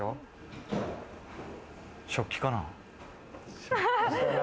食器かな？